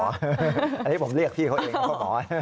อันนี้ผมเรียกพี่เค้าเองเป็นพ่อหมอ